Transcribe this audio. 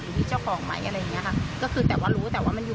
ที่เจ้าของไหมอะไรอย่างเงี้ยค่ะก็คือแต่ว่ารู้แต่ว่ามันอยู่